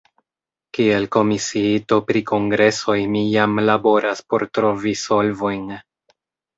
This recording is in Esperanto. Kiel komisiito pri kongresoj mi jam laboras por trovi solvojn.